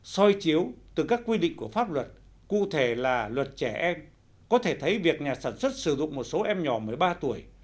soi chiếu từ các quy định của pháp luật cụ thể là luật trẻ em có thể thấy việc nhà sản xuất sử dụng một số em nhỏ một mươi ba tuổi